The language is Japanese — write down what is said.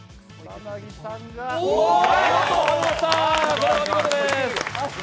これはお見事です。